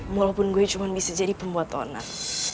walaupun gue cuma bisa jadi pembuat tonar